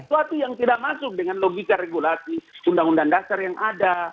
sesuatu yang tidak masuk dengan logika regulasi undang undang dasar yang ada